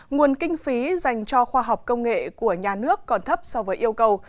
nguồn kinh phí dành cho khoa học công nghệ của nhà nước còn thấp so với yêu cầu